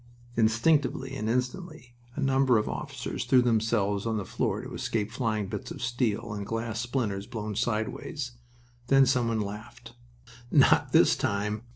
Instinctively and instantly a number of officers threw themselves on the floor to escape flying bits of steel and glass splinters blown sideways. Then some one laughed. "Not this time!"